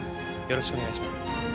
よろしくお願いします。